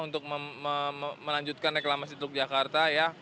untuk melanjutkan reklamasi teluk jakarta ya